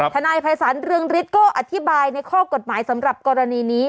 ทนายภัยศาลเรืองฤทธิ์ก็อธิบายในข้อกฎหมายสำหรับกรณีนี้